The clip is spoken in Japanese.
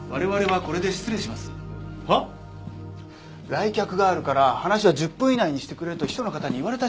来客があるから話は１０分以内にしてくれと秘書の方に言われたじゃないですか。